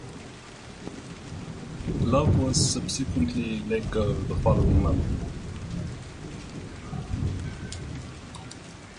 Love was subsequently let go the following month.